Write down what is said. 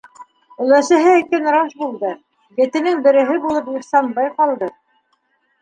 Өләсәһе әйткән раҫ булды: етенең береһе булып Ихсанбай ҡалды.